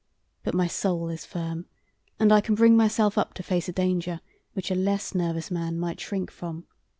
But my soul is firm, and I can bring myself up to face a danger which a less nervous man might shrink from.